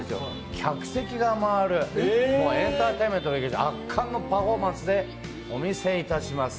客席が回るエンターテインメントで圧巻のパフォーマンスでお見せいたします！